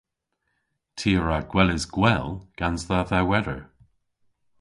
Ty a wra gweles gwell gans dha dhewweder.